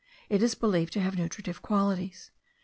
It is believed to have nutritive qualities.